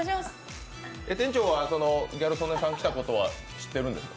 店長はギャル曽根さん来たことが知ってるんですか？